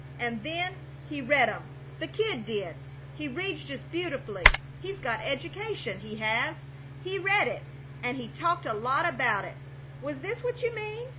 An' then he read 'em the Kid did. He reads just beautiful. He's got education, he has. He read it, and he talked a lot about it. Was this what you mean?